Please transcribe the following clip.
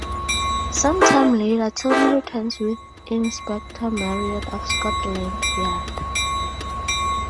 Some time later Tommy returns with Inspector Marriot of Scotland Yard.